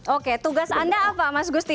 oke tugas anda apa mas gusti